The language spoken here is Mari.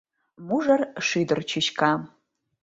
Мужыр шÿдыр чÿчка.